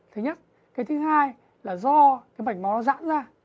thứ nhất thứ hai là do mạch máu nó dãn ra